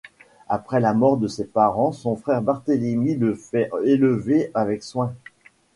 Après la mort de ses parents, son frère Barthélémy le fait élever avec soin.